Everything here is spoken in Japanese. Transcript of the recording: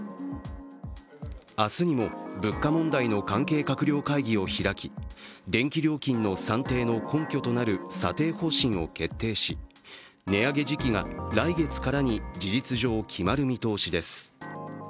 明日にも物価問題の関係閣僚会議を開き電気料金の算定の根拠となる査定方針を決定し値上げ時期が来月からに事実上決まる見通しです。